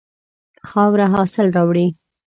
خاوره حاصل راوړي.